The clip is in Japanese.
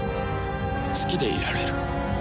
好きでいられる。